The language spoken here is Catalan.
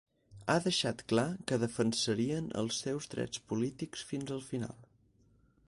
Ha deixat clar que defensarien els seus drets polítics fins al final.